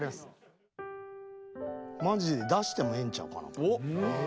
マジ出してもええんちゃうかな。